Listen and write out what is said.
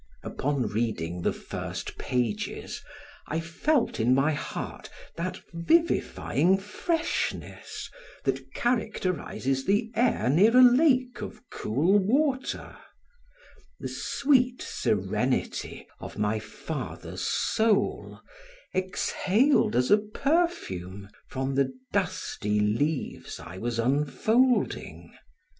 Upon reading the first pages, I felt in my heart that vivifying freshness that characterizes the air near a lake of cool water; the sweet serenity of my father's soul exhaled as a perfume from the dusty leaves I was unfolding.